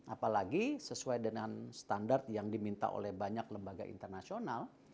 apalagi sesuai dengan standar yang diminta oleh banyak lembaga internasional